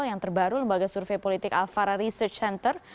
yang terbaru lembaga survei politik alfara research center